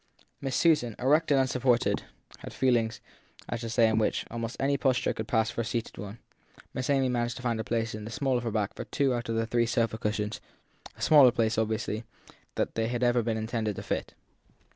Miss Susan, erect and unsupported, had feelings as to the way in which, in almost any posture that could pass for a seated one, Miss Amy managed to find a place in the small of her back for two out of the three sofa cushions a smaller place, obviously, than they had ever been intended to fit.